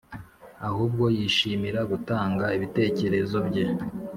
ahubwo yishimira gutanga ibitekerezo bye